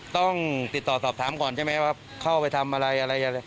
ต้องติดต่อสอบถามก่อนใช่ไหมว่าเข้าไปทำอะไรอะไร